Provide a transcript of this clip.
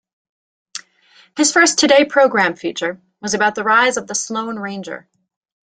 His first Today Programme feature was about the rise of the Sloane Ranger.